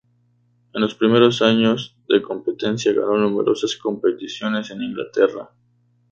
En los primeros años de competencia ganó numerosas competiciones en Inglaterra.